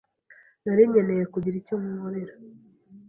Nari nkeneye kugira icyo nkorera